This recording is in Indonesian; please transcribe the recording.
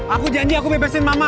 aku janji aku bebasin mama